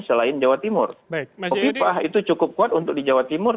selain jawa timur kopipa itu cukup kuat untuk di jawa timur